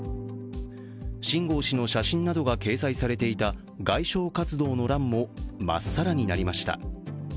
秦剛氏の写真などが掲載されていた外相活動の欄も、まっさらになりました。